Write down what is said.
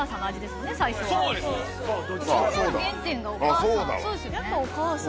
みんなの原点がお母さん。